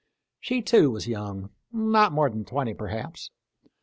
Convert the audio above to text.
She, too, was young — not more than twenty perhaps.